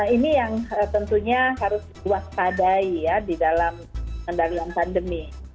ini yang tentunya harus diwaspadai ya di dalam kendalian pandemi